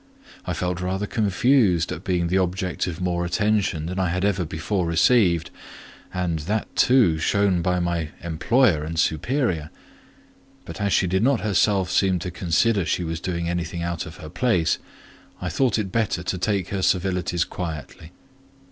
I felt rather confused at being the object of more attention than I had ever before received, and, that too, shown by my employer and superior; but as she did not herself seem to consider she was doing anything out of her place, I thought it better to take her civilities quietly.